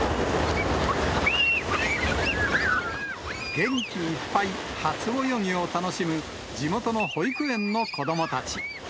元気いっぱい、初泳ぎを楽しむ、地元の保育園の子どもたち。